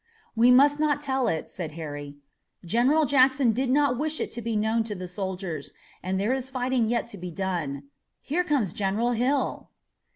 "We must not tell it," said Harry. "General Jackson did not wish it to be known to the soldiers, and there is fighting yet to be done. Here comes General Hill!"